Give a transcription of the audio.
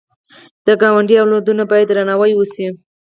د ګاونډي اولادونه باید درناوی وشي